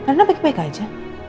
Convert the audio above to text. rena baik baik aja